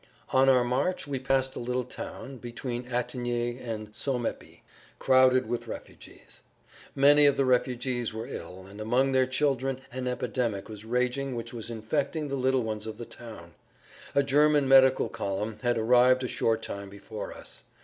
On our march we passed a little town, between Attigny and Sommepy, crowded with refugees. Many of the refugees were ill, and among their children an epidemic was raging which was infecting the little ones of the town. A German medical column had arrived a short time before us.